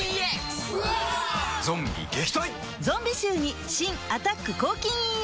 ゾンビ臭に新「アタック抗菌ＥＸ」